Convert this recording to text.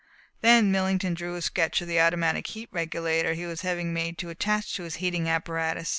Then Millington drew a sketch of the automatic heat regulator he was having made to attach to his heating apparatus.